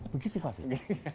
begitu pak vito